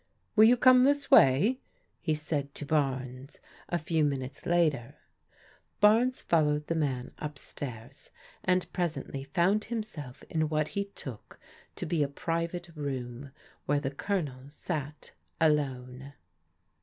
''*' Will you come this way ?" he said to Barnes a few minutes later. Barnes followed the man up stairs, and presently found himself in what he took to be a private room where the Colonel sat alone.